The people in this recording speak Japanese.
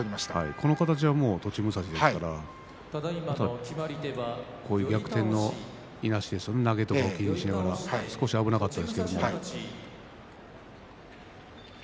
この形、栃武蔵の形ですから逆転のいなしとかを気にしながら少し危なかったですけれども。